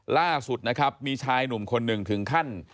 ล่าสุดนะครับมีชายหนุ่มคนหนึ่งถึงขั้น